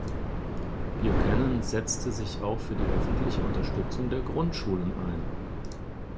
Buchanan setzte sich auch für die öffentliche Unterstützung der Grundschulen ein.